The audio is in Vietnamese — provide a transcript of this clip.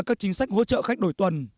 các chính sách hỗ trợ khách đổi tuần